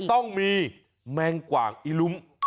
ต้องมีแมงกว่างอิลุ้ม